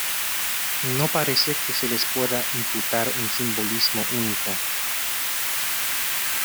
No parece que se les pueda imputar un simbolismo único.